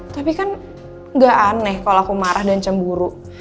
tapi kan gak aneh kalau aku marah dan cemburu